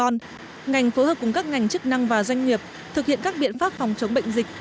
ngành phối hợp cùng các ngành chức năng và doanh nghiệp thực hiện các biện pháp phòng chống bệnh dịch